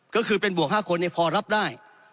ก็คือเป็นบวก๕คนพอรับได้